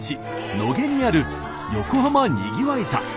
野毛にある横浜にぎわい座。